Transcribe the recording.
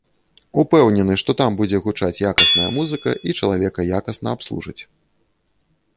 Упэўнены, што там будзе гучаць якасная музыка і чалавека якасна абслужаць.